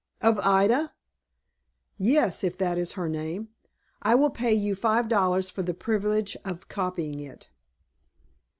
"Of Ida?" "Yes, if that is her name. I will pay you five dollars for the privilege of copying it."